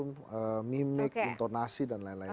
untuk mimik intonasi dan lain lain